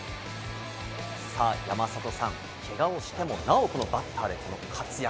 山里さん、けがをしてもなお、このバッターで活躍。